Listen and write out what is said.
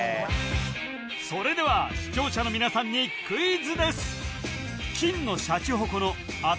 それでは視聴者の皆さんにクイズです